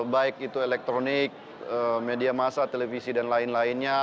baik itu elektronik media massa televisi dan lain lainnya